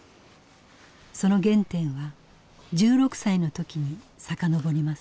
その原点は１６歳の時に遡ります。